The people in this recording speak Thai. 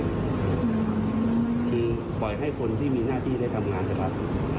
คือปล่อยให้คนที่มีหน้าที่ได้ทำงานนะครับ